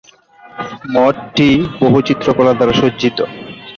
মঠটি বহু চিত্রকলা দ্বারা সজ্জিত।